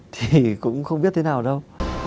thì cũng không biết thế nào đâu